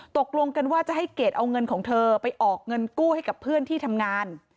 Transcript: ตกลงกันว่าจะให้เกรดเอาเงินของเธอไปออกเงินกู้ให้กับเพื่อนที่ทำงาน